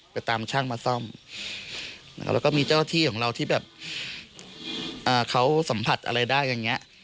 ไปตามช่างมาซ่อมแล้วก็มีเจ้าที่ของเราที่แบบเขาสัมผัสอะไรได้อย่างนี้